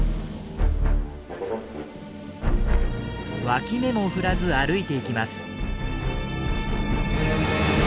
脇目も振らず歩いていきます。